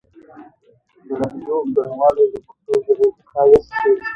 د لهجو ګڼوالی د پښتو ژبې ښايست دی.